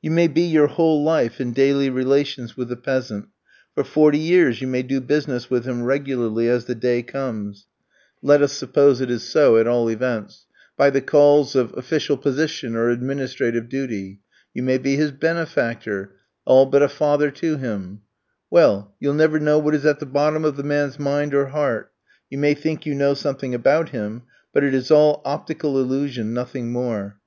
You may be your whole life in daily relations with the peasant, forty years you may do business with him regularly as the day comes let us suppose it so, at all events by the calls of official position or administrative duty; you may be his benefactor, all but a father to him well, you'll never know what is at the bottom of the man's mind or heart. You may think you know something about him, but it is all optical illusion, nothing more.